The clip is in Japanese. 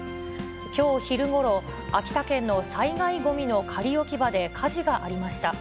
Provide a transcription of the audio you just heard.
きょう昼ごろ、秋田県の災害ごみの仮置き場で火事がありました。